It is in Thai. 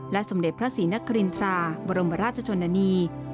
สมเด็จพระศรีนครินทราบรมราชชนนานี